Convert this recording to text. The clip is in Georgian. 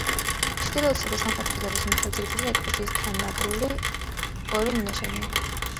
ჩრდილოეთისა და სამხრეთ კედლების მთელ სიგრძეზე ეკლესიის თანადროული ორი მინაშენია.